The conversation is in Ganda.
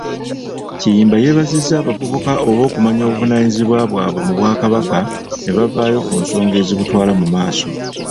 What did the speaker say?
Kiyimba yeebazizza abavubuka olw'okumanya obuvunaanyizibwa bwabwe mu bwakabaka ne bavaayo ku nsonga ezibutwala mumaaso.